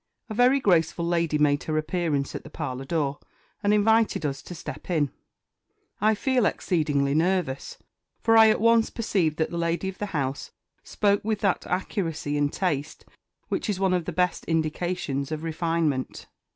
A very graceful lady made her appearance at the parlour door, and invited us to step in. I felt exceedingly nervous, for I at once perceived that the lady of the house spoke with that accuracy and taste which is one of the best indications of refinement.